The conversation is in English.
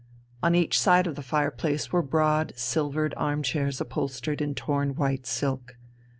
On each side of the fireplace were broad silvered arm chairs upholstered in torn white silk.